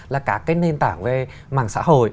là các cái nền tảng về mảng xã hội